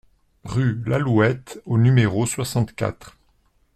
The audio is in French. Rue Lallouette au numéro soixante-quatre